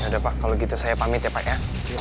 ada pak kalau gitu saya pamit ya pak ya